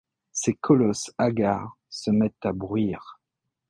Ces colosses hagards se mettent à bruire ;